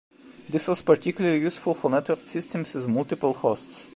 This was particularly useful for networked systems with multiple hosts.